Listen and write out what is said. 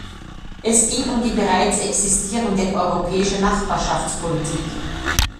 Es ging um die bereits existierende europäische Nachbarschaftspolitik.